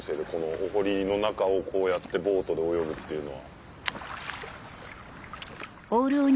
お堀の中をこうやってボートで泳ぐっていうのは。